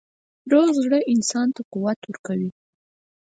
روغ زړه انسان ته قوت ورکوي.